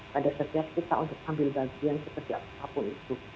pada setiap kita untuk ambil bagian seperti apapun itu